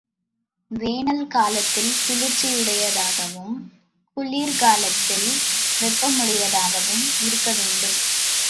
Van Allen காலத்தில் குளிர்ச்சி உடையதாகவும், குளிர் காலத்தில் வெப்பமுடையதாகவும் இருக்க வேண்டும்.